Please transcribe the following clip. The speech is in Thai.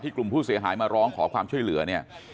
กลุ่มผู้เสียหายมาร้องขอความช่วยเหลือเนี่ย